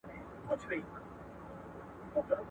ډیپلوماټان چیري نړیوالي غونډي تنظیموي؟